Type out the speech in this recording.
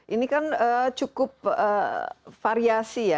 ini kan cukup variasi ya